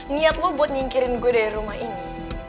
niat lo buat nyingkirin gue dari rumah ini